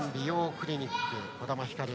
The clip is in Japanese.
クリニック児玉ひかる。